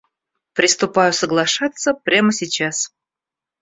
Приступаю соглашаться прямо сейчас!